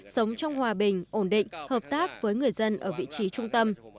sống trong hòa bình ổn định hợp tác với người dân ở vị trí trung tâm